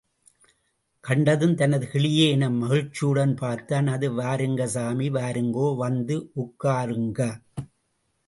கண்டதும் தனது கிளியே என மகிழ்ச்சியுடன் பார்த்தான். அது வாருங்க சாமி, வாருங்கோ, வந்து உட்காருங்க.